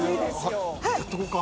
やっとこうか。